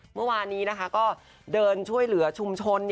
เมื่อวานนี้ก็เดินช่วยเหลือชุมชน